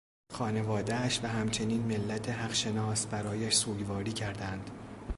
خانوادهاش و همچنین ملت حق شناس برایش سوگواری کردند.